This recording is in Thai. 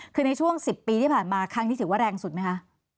คือในช่วง๑๐ปีที่ผ่านมาครั้งนี้ถือว่าแรงสุดไหมคะ